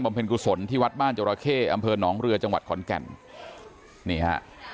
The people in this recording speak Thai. เพลงกุศลที่วัดบ้านจราเข้อำเภอหนองเรือจังหวัดขอนแก่นนี่ฮะ